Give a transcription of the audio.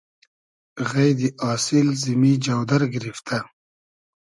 غݷدی آسیل زیمی جۆدئر گیریفتۂ